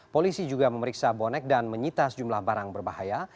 polisi juga memeriksa bonek dan menyitas jumlah barang berbahaya